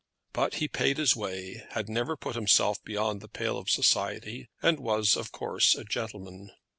But he paid his way, had never put himself beyond the pale of society, and was, of course, a gentleman.